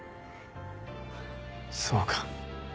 そうか。